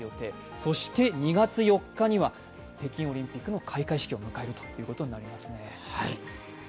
そして２月４日は北京オリンピックの開会式を迎えることになります。